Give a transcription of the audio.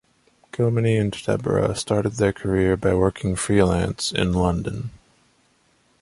Kilmeny and Deborah started their career by working free-lance in London.